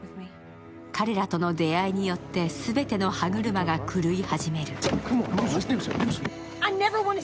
彼らとの出会いによって、全ての歯車が狂い始める。